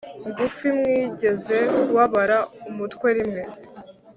ngufi mwigeze kubabara umutwe rimwe